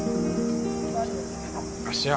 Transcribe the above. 芦屋。